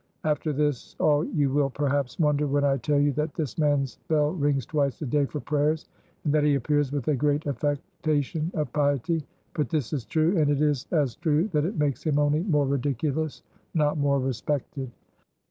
After this all you will perhaps wonder when I tell you that this man's bell rings twice a day for prayers and that he appears with a great affectation of piety; but this is true, and it is as true that it makes him only more ridiculous, not more respected.